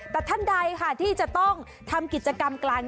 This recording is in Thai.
แต่ท่านใดที่จะต้องทดการ์์ของกิจกรรมฟัง